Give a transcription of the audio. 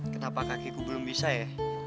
kenapa kakiku belum bisa ya